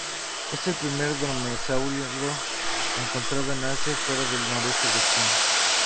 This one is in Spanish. Es el primer dromeosáurido encontrado en Asia fuera del noreste de China.